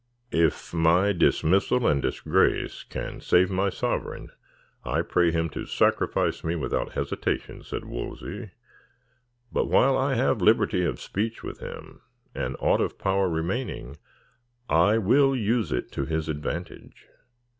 "If my dismissal and disgrace can save my sovereign, I pray him to sacrifice me without hesitation," said Wolsey; "but while I have liberty of speech with him, and aught of power remaining, I will use it to his advantage.